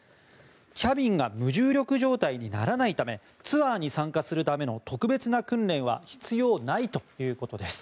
キャビンが無重力状態にならないためツアーに参加するための特別な訓練は必要ないということです。